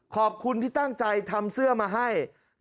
ขอบคุณที่ตั้งใจทำเสื้อมาให้